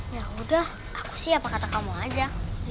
ya udah aku sih apa kata kamu aja